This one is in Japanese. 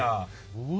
うわ！